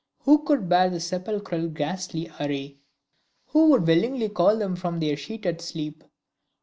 Who could bear the sepulchral ghastly array? Who would willingly call them from their sheeted sleep?